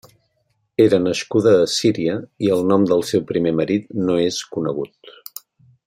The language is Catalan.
Era nascuda a Síria i el nom del seu primer marit no és conegut.